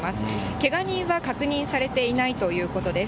けが人は確認されていないということです。